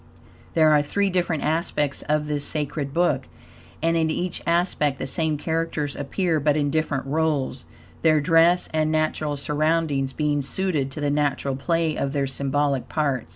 There are three different aspects of this sacred book, and in each aspect the same characters appear, but in different roles, their dress and natural surroundings being suited to the natural play of their symbolical parts.